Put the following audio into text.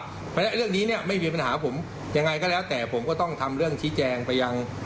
เพราะฉะนั้นเรื่องนี้เนี่ยไม่มีปัญหาผมยังไงก็แล้วแต่ผมก็ต้องทำเรื่องชี้แจงไปยัง